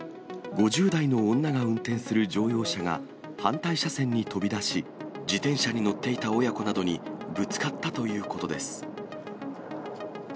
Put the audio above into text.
５０代の女が運転する乗用車が反対車線に飛び出し、自転車に乗っていた親子などにぶつかったということです。